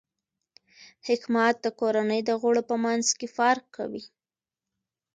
حکمت د کورنۍ د غړو په منځ کې فرق کوي.